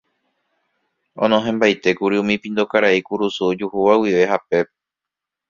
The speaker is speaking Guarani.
Onohẽmbaitékuri umi pindo karai kurusu ojuhúva guive hapépe.